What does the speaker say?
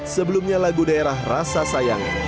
sebelumnya lagu daerah rasa sayang